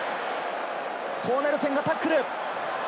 コーネルセンがタックル。